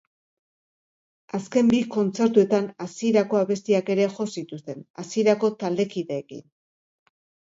Azken bi kontzertuetan hasierako abestiak ere jo zituzten, hasierako taldekideekin.